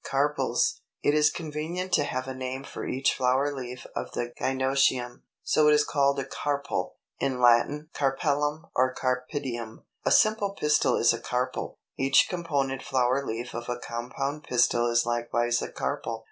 305. =Carpels.= It is convenient to have a name for each flower leaf of the gynœcium; so it is called a Carpel, in Latin Carpellum or Carpidium. A simple pistil is a carpel. Each component flower leaf of a compound pistil is likewise a carpel.